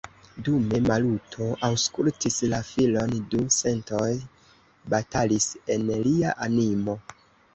Dume Maluto aŭskultis la filon, du sentoj batalis en lia animo.